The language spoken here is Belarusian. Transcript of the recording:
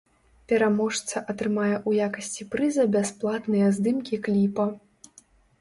Пераможца атрымае ў якасці прыза бясплатныя здымкі кліпа.